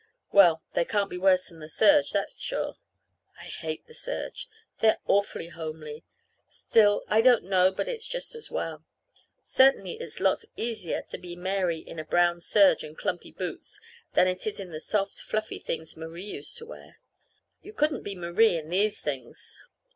Well, they can't be worse than the serge. That's sure. I hate the serge. They're awfully homely. Still, I don't know but it's just as well. Certainly it's lots easier to be Mary in a brown serge and clumpy boots than it is in the soft, fluffy things Marie used to wear. You couldn't be Marie in these things.